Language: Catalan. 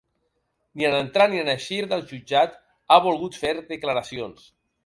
Ni en entrar ni en eixir del jutjat ha volgut fer declaracions.